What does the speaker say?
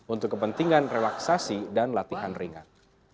untuk kepentingan relaksasi dan latihan ringan